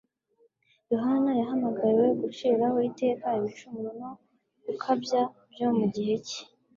Yohana yahamagariwe guciraho iteka ibicumuro no gukabya byo mu gihe cye,